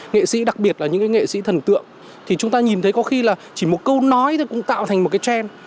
nghệ sĩ đặc biệt là những cái nghệ sĩ thần tượng thì chúng ta nhìn thấy có khi là chỉ một câu nói thôi cũng tạo thành một cái trend